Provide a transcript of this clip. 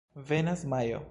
Venas Majo.